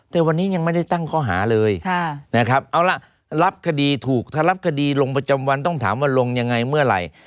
แต่วันนี้ยังไม่ได้ตั้งข้อหาเลยนะครับเอาล่ะรับคดีถูกถ้ารับคดีลงประจำวันต้องถามว่าลงยังไงเมื่อไหร่